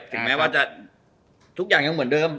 ถึงแม้ว่าจะทุกอย่างยังเหมือนเดิม